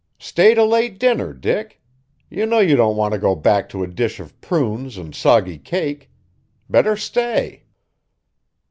"Stay to late dinner, Dick! You know you don't want to go back to a dish of prunes and soggy cake. Better stay."